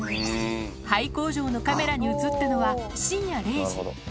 廃工場のカメラに写ったのは深夜０時。